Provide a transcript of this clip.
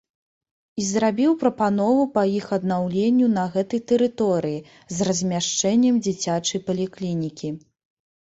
І зрабіў прапанову па іх аднаўленню на гэтай тэрыторыі з размяшчэннем дзіцячай паліклінікі.